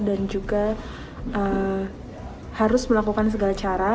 dan juga harus melakukan segala cara